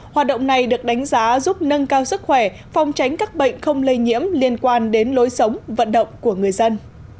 hoạt động này được đánh giá giúp nâng cao sức khỏe phòng tránh các bệnh không lây nhiễm liên quan đến lối sống vận động của người dân